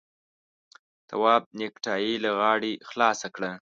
تواب نېکټايي له غاړې خلاصه کړه.